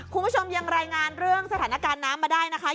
คุณผู้ชมยังรายงานเรื่องสถานการณ์น้ำมาได้นะคะ